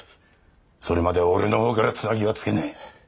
それまでは俺の方からつなぎはつけねえ。